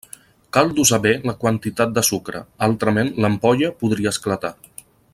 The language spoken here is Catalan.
Cal dosar bé la quantitat de sucre, altrament l'ampolla podria esclatar.